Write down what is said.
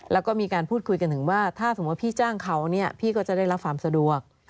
แล้วก็มีการพูดคุยกันถึงว่าถ้าสมมุติว่าพี่จ้างเขาเนี่ยพี่ก็จะได้รับความสะดวก